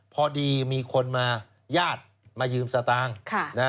พอดีมีคนมาญาติมายืมสตางค์